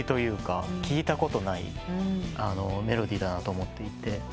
聴いたことないメロディーだなと思っていて。